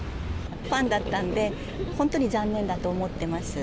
ファンだったんで本当に残念だと思っています。